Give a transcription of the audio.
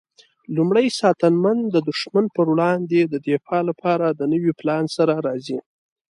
لومړی ساتنمن د دښمن پر وړاندې د دفاع لپاره د نوي پلان سره راځي.